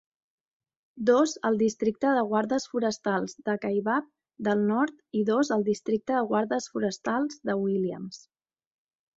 Dos al districte de guardes forestals de Kaibab del nord i dos al districte de guardes forestals de Williams.